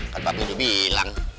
kan pak budi bilang